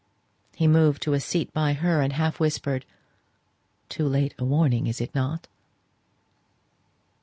He moved to a seat by her, and half whispered, "Too late a warning, is it not?"